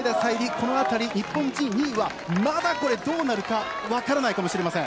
この辺り日本人２位はまだこれどうなるかわからないかもしれません。